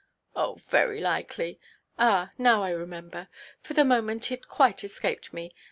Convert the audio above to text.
"Oh, very likely. Ah, now I remember. For the moment it quite escaped me.